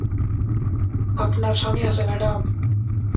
আপনার স্বামী আছে, ম্যাডাম?